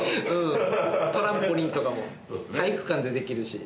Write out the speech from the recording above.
トランポリンとかも体育館でできるし。